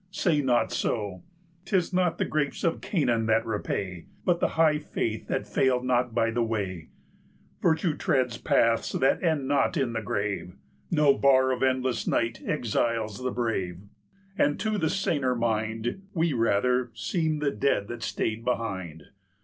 Say not so! 'Tis not the grapes of Canaan that repay, But the high faith that failed not by the way; Virtue treads paths that end not in the grave; 255 No bar of endless night exiles the brave; And to the saner mind We rather seem the dead that stayed behind.